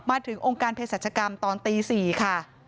ถึงองค์การเพศรัชกรรมตอนตี๔ค่ะ